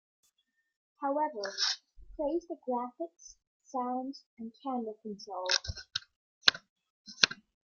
However, he praised the graphics, sounds and camera control.